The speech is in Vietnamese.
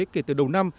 kể từ đầu năm